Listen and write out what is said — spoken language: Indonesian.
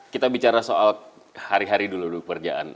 kita bicara soal hari hari dulu dulu pekerjaan